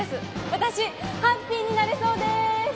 私ハッピーになれそうでーす！